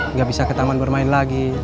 nggak bisa ke taman bermain lagi